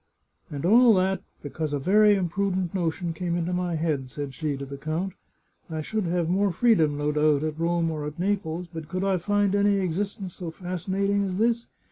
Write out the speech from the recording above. " And all that because a very imprudent notion came into my head," said she to the count. " I should have more free dom, no doubt, at Rome or at Naples, but could I find any existence so fascinating as this